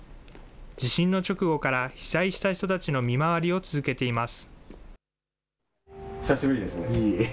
地震の直後から被災した人たちの見回りを続けています。